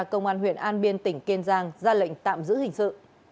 công an huyện an biên tỉnh kiên giang ra lệnh tạm giữ hình sự